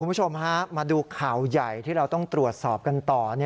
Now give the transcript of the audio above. คุณผู้ชมฮะมาดูข่าวใหญ่ที่เราต้องตรวจสอบกันต่อ